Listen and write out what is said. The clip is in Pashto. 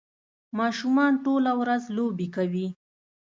ماشومان ټوله ورځ لوبې کوي.